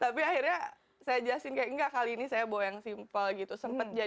tapi akhirnya saya jelasin kayak enggak kali ini saya bawa yang simple